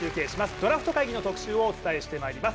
ドラフト会議の特集をお伝えしていきます。